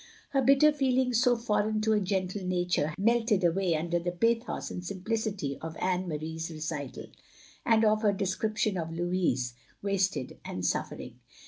Her bitter feelings, so foreign to a gentle nature, had aU melted away under the pathos and simpli city of Anne Marie's recital, and of her description of Louis, wasted and suffering.